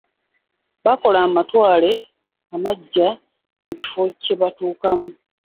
Baakola amatwale amaggya mu kifo kye batuukamu.